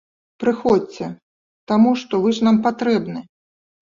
Прыходзьце, таму што вы ж нам патрэбны!